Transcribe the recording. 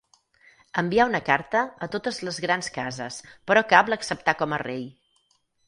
Envià una carta a totes les grans cases, però cap l'acceptà com a rei.